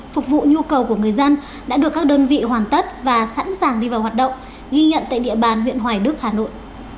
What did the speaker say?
phục vụ nhu cầu của người dân đã được các đơn vị hoàn tất và sẵn sàng đi vào hoạt động ghi nhận tại địa bàn huyện hoài đức hà nội